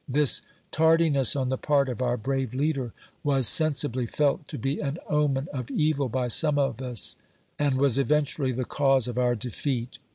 This tardiness on the part of our brave leader was sensibly felt to be an omen of evil by some us, and was eventually the cause of our defeat.